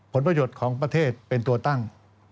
ผลประโยชน์ของประเทศเป็นตัวตั้ง